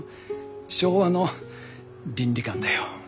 昭和の倫理観だよ。